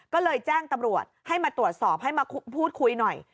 ก็เลยแจ้งตำรวจให้มาตรวจสอบให้มาพูดคุยหน่อย